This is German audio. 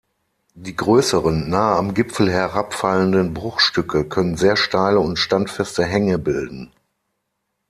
Die größeren, nahe am Gipfel herabfallenden Bruchstücke können sehr steile und standfeste Hänge bilden.